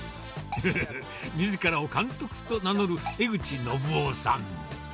ふふふ、みずからを監督と名乗る江口信男さん。